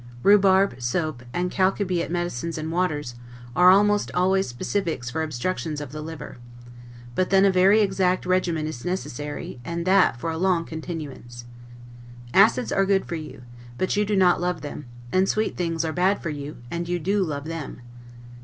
Rhubarb, soap, and chalybeate medicines and waters, are almost always specifics for obstructions of the liver; but then a very exact regimen is necessary, and that for a long continuance. Acids are good for you, but you do not love them; and sweet things are bad for you, and you do love them.